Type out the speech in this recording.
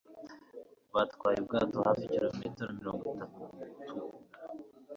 Batwaye ubwato hafi kilometero mirongo itatu